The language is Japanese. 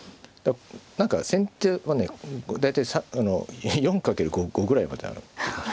何か先手はね大体４掛ける５ぐらいまである。